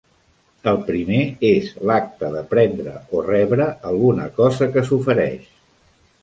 El primer, és l'acte de prendre o rebre alguna cosa que s'ofereix.